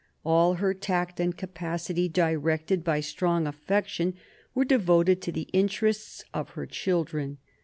All her tact and capacity, directed by strong affection, were devoted to the interests of her children.